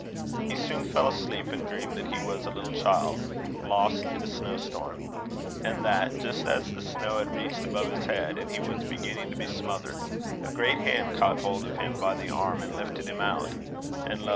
He soon fell asleep, and dreamed that he was a little child lost in a snow storm; and that just as the snow had reached above his head, and he was beginning to be smothered, a great hand caught hold of him by the arm and lifted him out; and, lo!